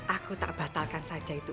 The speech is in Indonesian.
aku tak batalkan saja itu